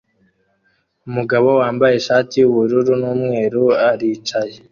Umugabo wambaye ishati yubururu numweru aricaye